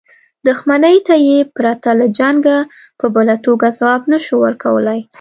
دښمنۍ ته یې پرته له جنګه په بله توګه ځواب نه شو ورکولای.